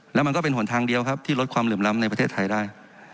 แล้วมันก็เป็นหนทางเดียวครับที่ลดความเหลื่อมล้ำในประเทศไทยได้